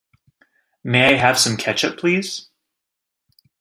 May I have some ketchup, "please"?